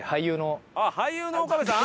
あっ俳優の岡部さん？